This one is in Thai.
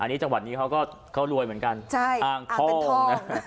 อันนี้จังหวัดนี้เขาก็เขารวยเหมือนกันใช่อังทองอังเป็นทอง